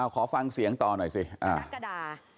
ขอฟังเสียงต่อหน่อยสิ